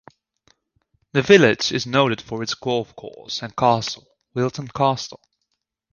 The village is noted for its golf course and castle, Wilton Castle.